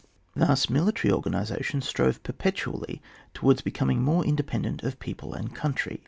Thus military organisation strove per petually towards becoming more inde pendent of people and country.